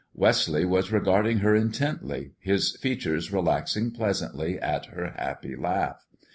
Wesley was regarding her intently, his features relaxing pleasantly at her happy laugh.